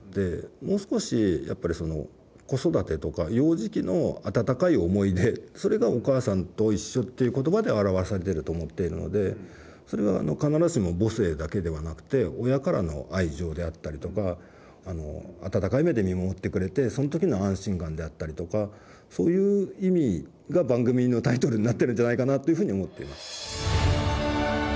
もう少しやっぱりその子育てとか幼児期の温かい思い出それが「おかあさんといっしょ」っていう言葉で表されていると思っているのでそれは必ずしも母性だけではなくて親からの愛情であったりとか温かい目で見守ってくれてその時の安心感であったりとかそういう意味が番組のタイトルになってるんじゃないかなっていうふうに思っています。